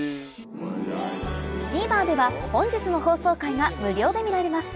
ＴＶｅｒでは本日の放送回が無料で見られます